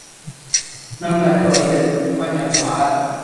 Namna ya kawaida ni kufanya tohara